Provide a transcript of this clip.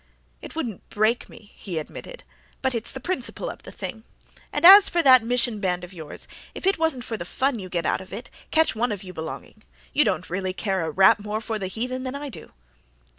"It wouldn't break me," he admitted, "but it's the principle of the thing. And as for that Mission Band of yours, if it wasn't for the fun you get out of it, catch one of you belonging. You don't really care a rap more for the heathen than I do."